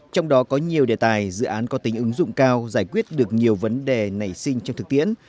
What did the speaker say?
trong đó có nhiều đề tài dự án có tính ứng dụng cao giải quyết được nhiều vấn đề nảy sinh trong thực tiễn